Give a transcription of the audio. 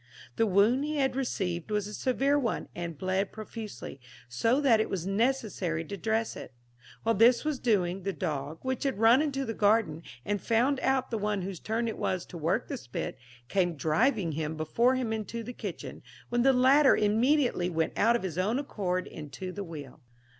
The wound he had received was a severe one, and bled profusely, so that it was necessary to dress it. While this was doing, the dog, which had run into the garden, and found out the one whose turn it was to work the spit, came driving him before him into the kitchen, when the latter immediately went of his own accord into the wheel.